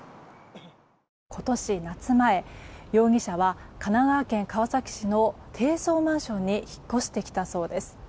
今年夏前容疑者は神奈川県川崎市の低層マンションに引っ越してきたそうです。